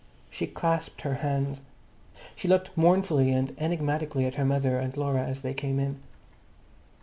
She clasped her hands. She looked mournfully and enigmatically at her mother and Laura as they came in.